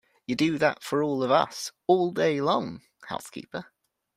You do that for all of us, all day long, housekeeper!